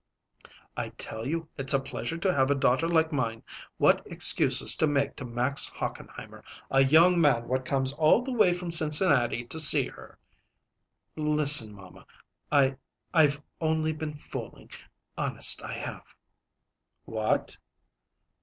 "I tell you it's a pleasure to have a daughter like mine! What excuses to make to Max Hochenheimer, a young man what comes all the way from Cincinnati to see her " "Listen, mamma; I I've only been fooling honest, I have." "What?"